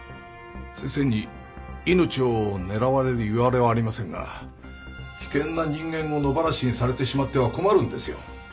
先生に命を狙われるいわれはありませんが危険な人間を野放しにされてしまっては困るんですよ。